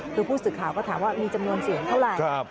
คือผู้สื่อข่าวก็ถามว่ามีจำนวนเสียงเท่าไหร่